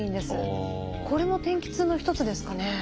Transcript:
これも天気痛の一つですかね？